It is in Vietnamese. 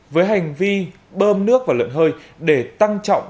với hành vi bơm nước và lợn hơi để tăng trọng